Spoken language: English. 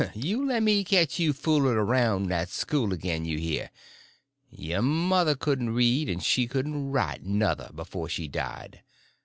You lemme catch you fooling around that school again, you hear? Your mother couldn't read, and she couldn't write, nuther, before she died.